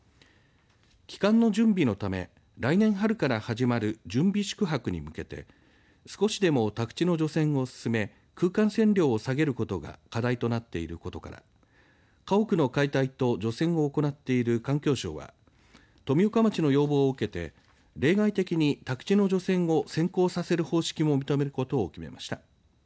帰還の準備のため来年春から始まる準備宿泊に向けて少しでも宅地の除染を進め空間線量を下げることが課題となっていることから家屋の解体と除染を行っている環境省は富岡町の要望を受けて例外的に宅地の除染を先行させる方式も認めることを決めました。